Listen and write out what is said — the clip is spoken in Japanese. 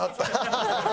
ハハハハ！